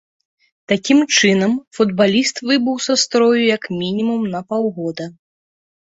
Такім чынам, футбаліст выбыў са строю як мінімум на паўгода.